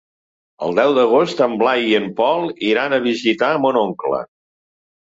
El deu d'agost en Blai i en Pol iran a visitar mon oncle.